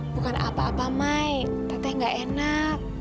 bukan apa apa mai teteh gak enak